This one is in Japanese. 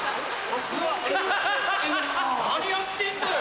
何やってんだよ？